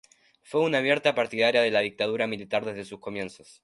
Fue una abierta partidaria de la dictadura militar desde sus comienzos.